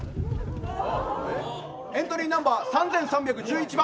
エントリーナンバー３３１１番